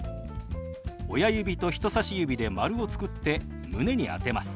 親指と人さし指で丸を作って胸に当てます。